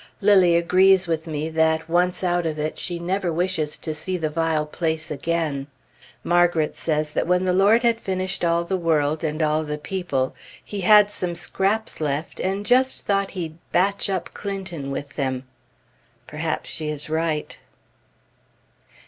Lilly agrees with me that, once out of it, she never wishes to see the vile place again. Margret says that when the Lord had finished all the world and all the people, he had some scraps left, and just thought he'd "batch up" Clinton with them. Perhaps she is right.